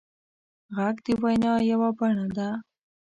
غږ د وینا یوه بڼه ده